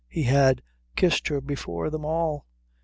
He had kissed her before them all.